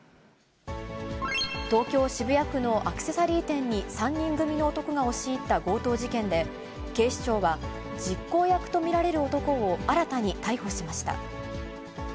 東京・渋谷区のアクセサリー店に３人組の男が押し入った強盗事件で、警視庁は、実行役と見られる男を新たに逮捕しました。